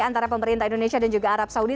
antara pemerintah indonesia dan juga arab saudi